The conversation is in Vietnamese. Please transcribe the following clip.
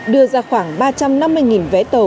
đưa ra khoảng ba trăm năm mươi vé tàu